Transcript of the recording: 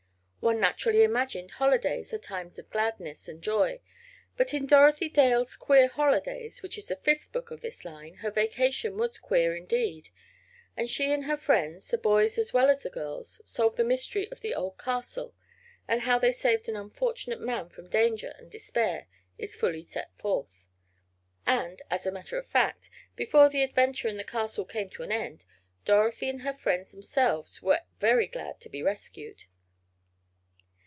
One naturally imagined holidays are times of gladness and joy, but in "Dorothy Dale's Queer Holidays," which is the fifth book of this line, her vacation was "queer" indeed. How she and her friends, the boys as well as the girls, solved the mystery of the old "castle", and how they saved an unfortunate man from danger and despair, is fully set forth. And, as a matter of fact, before the adventure in the "castle" came to an end, Dorothy and her friends themselves were very glad to be rescued.